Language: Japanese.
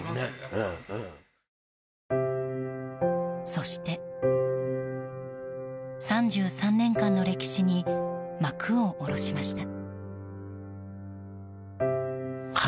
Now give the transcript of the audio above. そして、３３年間の歴史に幕を下ろしました。